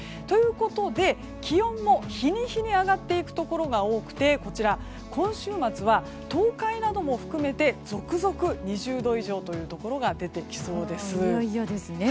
ということで気温も日に日に上がっていくところが多くて今週末は東海なども含めて続々２０度以上というところが出てきそうです。